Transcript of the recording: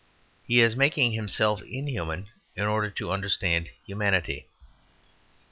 He is making himself inhuman in order to understand humanity.